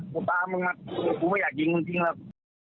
ผมตามมึงนะผมไม่อยากยิงมึงจริงแล้ว